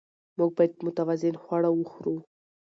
موږ باید متوازن خواړه وخورو